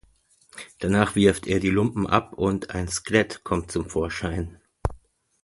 Danach wirft er die Lumpen ab und ein Skelett kommt zum Vorschein.